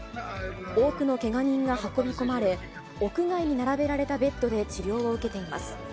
多くのけが人が運び込まれ、屋外に並べられたベッドで治療を受けています。